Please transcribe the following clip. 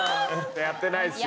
やってないですよね？